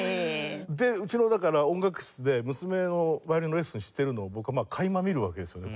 うちの音楽室で娘のヴァイオリンのレッスンをしているのを僕は垣間見るわけですよね。